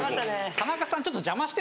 田中さん